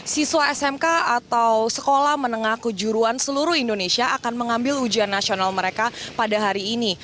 siswa smk atau sekolah menengah kejuruan seluruh indonesia akan mengambil ujian nasional mereka pada hari ini